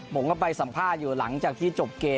ผมก็ไปสัมภาษณ์อยู่หลังจากที่จบเกม